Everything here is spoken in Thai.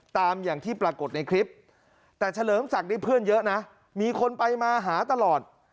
ตามอย่างที่ปรากฏในคลิปแต่เฉลิมศักดิ์ได้เพื่อนเยอะนะมีคนไปมาหาตลอด